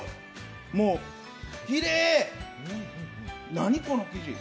もう、きれい、何この生地。